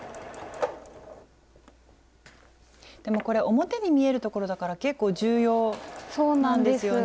でもこれ表に見えるところだから結構重要なんですよね。